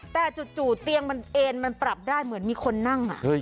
แต่จู่เตียงมันเอ็นมันปรับได้เหมือนมีคนนั่ง